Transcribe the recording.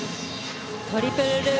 トリプルループ。